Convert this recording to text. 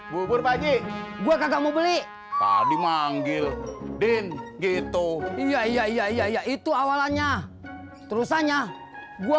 bubur pagi gue kagak mau beli tadi manggil din gitu iya iya iya iya itu awalnya terusannya gua